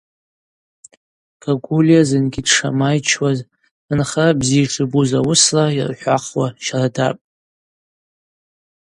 Гагулия зынгьи дшамайчуаз, анхара бзи йшибуз ауысла йырхӏвахуа щардапӏ.